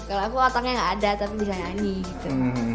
kalau aku otaknya gak ada tapi bisa nyanyi gitu